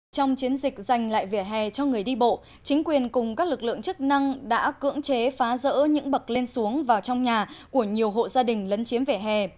trong chiến dịch dành lại vỉa hè cho người đi bộ chính quyền cùng các lực lượng chức năng đã cưỡng chế phá rỡ những bậc lên xuống vào trong nhà của nhiều hộ gia đình lấn chiếm vỉa hè